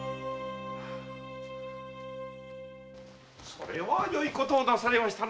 それはよいことをなされましたな。